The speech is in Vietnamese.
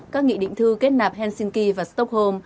các nghị định thư kết nạp helsinki và stockholm